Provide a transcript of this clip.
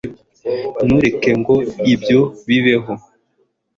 ntureke ngo ibyo bibeho